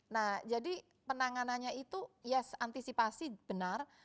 nah jadi penanganannya itu yes antisipasi benar